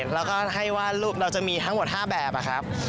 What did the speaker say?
แล้วก็ให้วาดรูปเราจะมีทั้งหมด๕แบบครับ